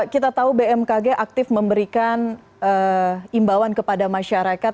kita tahu bmkg aktif memberikan imbauan kepada masyarakat